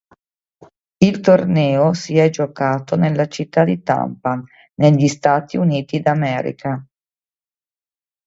Il torneo si è giocato nella città di Tampa negli Stati Uniti d'America.